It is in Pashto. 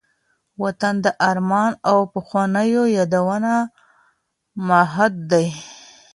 وطن د ارمان او پخوانيو یادونو مهد دی.